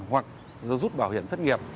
hoặc rút bảo hiểm thất nghiệp